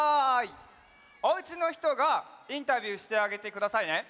おうちのひとがインタビューしてあげてくださいね。